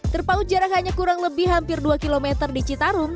terpaut jarak hanya kurang lebih hampir dua km di citarum